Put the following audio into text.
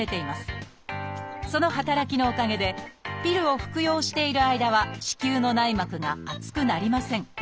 その働きのおかげでピルを服用している間は子宮の内膜が厚くなりません。